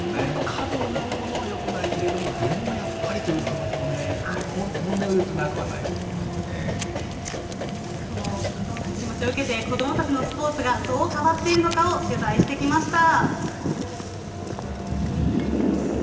過度なものはよくないけれども、でもやっぱりという気持ちもね、本音を言うとその気持ちを受けて、子どもたちのスポーツがどう変わっているのかを取材してきました。